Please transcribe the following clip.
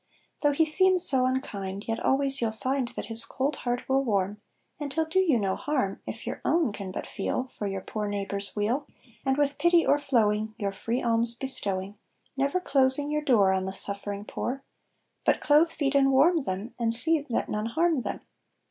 Though he seems so unkind, Yet always you'll find That his cold heart will warm, And he'll do you no harm If your own can but feel For your poor neighbor's weal; And with pity o'erflowing, Your free alms bestowing, Never closing your door On the suffering poor; But clothe, feed, and warm them, And see that none harm them.